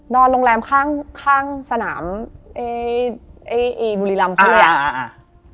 นอนโรงแรมข้างสนามบุรีรำพูดอย่าง